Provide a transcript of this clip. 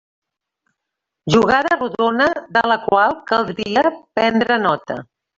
Jugada rodona, de la qual caldria prendre nota.